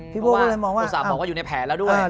เพราะว่าอุตส่าห์มองว่าอยู่ในแผนแล้วด้วย